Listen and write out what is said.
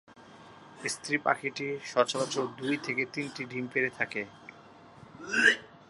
স্ত্রী পাখিটি সচরাচর দুই থেকে তিনটি ডিম পেড়ে থাকে।